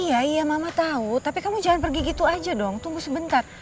iya iya mama tahu tapi kamu jangan pergi gitu aja dong tunggu sebentar